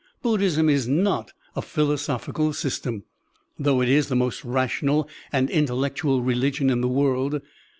Buddhism is not a philosophical system, though it is the most rational and intellectual religion in the world.